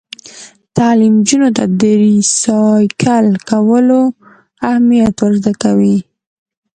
تعلیم نجونو ته د ریسایکل کولو اهمیت ور زده کوي.